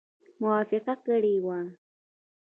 موافقه کړې وه.